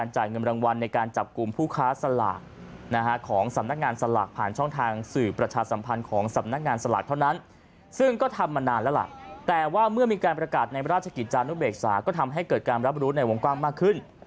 จานุเบกษาก็ทำให้เกิดการรับรู้ในวงกว้างมากขึ้น